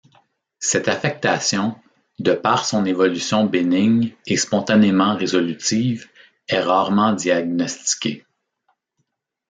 Cette affection, de par son évolution bénigne et spontanément résolutive, est rarement diagnostiquée.